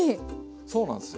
そうなんですよ。